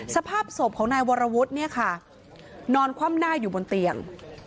สภาพศพของนายวรวุฒิเนี่ยค่ะนอนคว่ำหน้าอยู่บนเตียง